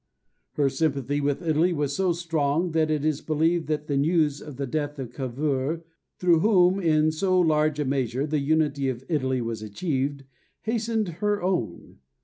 Her sympathy with Italy was so strong that it is believed that the news of the death of Cavour, through whom in so large a measure the unity of Italy was achieved, hastened her own.